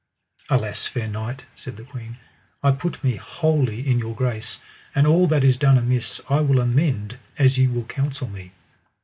Alas, fair knight, said the queen, I put me wholly in your grace, and all that is done amiss I will amend as ye will counsel me.